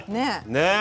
ねえ。